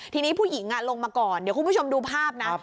ทีนี้ผู้หญิงลงมาก่อนเดี๋ยวคุณผู้ชมดูภาพนะ